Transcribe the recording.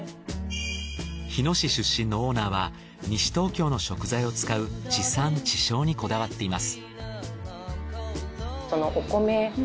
日野市出身のオーナーは西東京の食材を使う地産池消にこだわっています。